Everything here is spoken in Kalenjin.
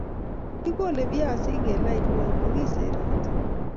Kikole viazik eng' lainwek makisertoi